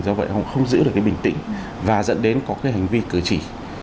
do vậy họ không giữ được cái bình tĩnh và dẫn đến có cái hành vi cử chỉ